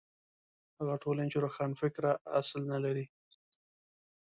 هغه ټولنې چې روښانفکرۍ اصل نه لري.